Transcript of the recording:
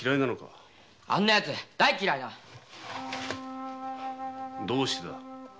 あんなヤツ大嫌いだどうしてだ？